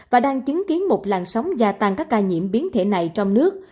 và đang chứng kiến một làn sóng gia tăng các ca nhiễm biến thể này trong nước